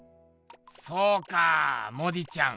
そうかモディちゃん